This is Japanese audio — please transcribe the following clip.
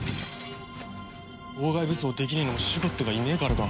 王鎧武装できねえのもシュゴッドがいねえからか。